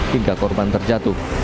hingga korban terjatuh